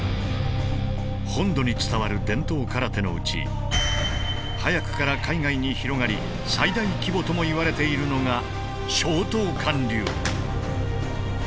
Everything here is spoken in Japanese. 本土に伝わる伝統空手のうち早くから海外に広がり最大規模ともいわれているのが松濤館流。